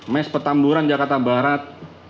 mes petamburan jakarta barat